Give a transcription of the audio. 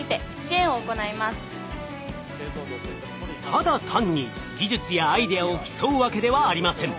ただ単に技術やアイデアを競うわけではありません。